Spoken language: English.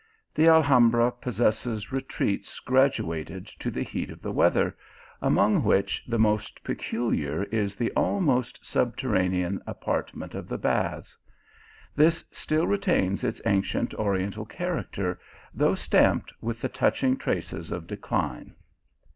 The Alhambra possesses retreats graduated to the heat of the weather, among which the most peculiar is the almost subterranean apartment of the baths. This still retains its ancient oriental character, though stamped with the touching traces of decline.